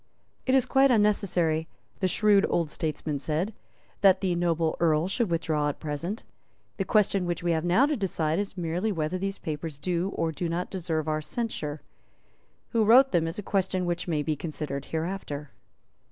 "It is quite unnecessary," the shrewd old statesman said, "that the noble Earl should withdraw at present. The question which we have now to decide is merely whether these papers do or do not deserve our censure. Who wrote them is a question which may be considered hereafter."